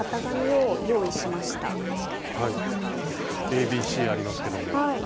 ＡＢＣありますけども。